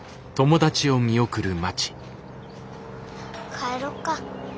帰ろっか。